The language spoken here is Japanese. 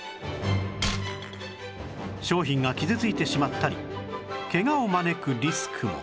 商品が傷ついてしまったりケガを招くリスクも